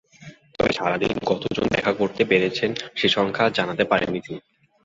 তবে সারা দিনে কতজন দেখা করতে পেরেছেন, সেই সংখ্যা জানাতে পারেননি তিনি।